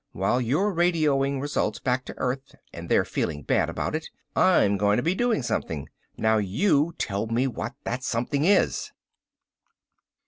While you're radioing results back to Earth and they're feeling bad about it, I'm going to be doing something. Now you tell me what that something is."